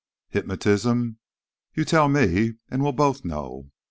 Hypnotism? You tell me, and we'll both know.